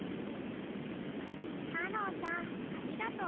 かのんさんありがとう。